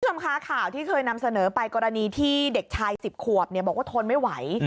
คุณผู้ชมคะข่าวที่เคยนำเสนอไปกรณีที่เด็กชาย๑๐ขวบบอกว่าทนไม่ไหว